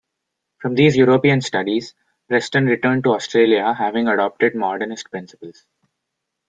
From these European studies, Preston returned to Australia having adopted Modernist principles.